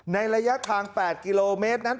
ระยะทาง๘กิโลเมตรนั้น